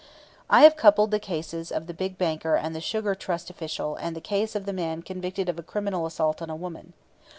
I have coupled the cases of the big banker and the Sugar Trust official and the case of the man convicted of a criminal assault on a woman.